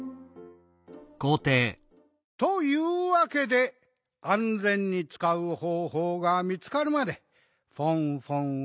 というわけであんぜんにつかうほうほうがみつかるまでフォンフォンはかせきに